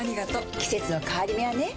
季節の変わり目はねうん。